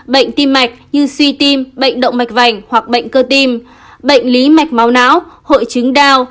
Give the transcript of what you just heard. bệnh tim mạch như suy tim bệnh động mạch vành hoặc bệnh cơ tim bệnh lý mạch máu não hội chứng đau